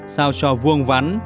sao cho vuông vắn